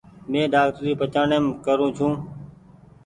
مين ڊآڪٽري پچآڻيم ڪرو ڇو۔